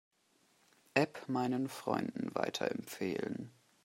App meinen Freunden weiterempfehlen.